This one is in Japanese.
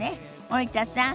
森田さん